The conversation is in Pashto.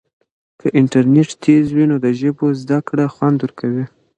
که انټرنیټ تېز وي نو د ژبو زده کړه خوند ورکوي.